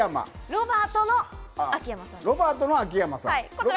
ロバートの秋山さん。